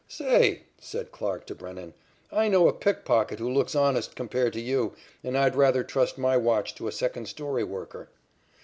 "Say," said Clarke to Brennan, "I know a pickpocket who looks honest compared to you, and I'd rather trust my watch to a second story worker."